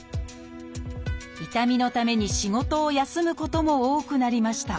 痛みのために仕事を休むことも多くなりました